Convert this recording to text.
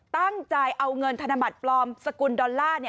ตั้งใจเอาเงินธนบัตรปลอมสกุลดอลลาร์